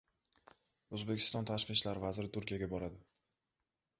O‘zbekiston Tashqi ishlar vaziri Turkiyaga boradi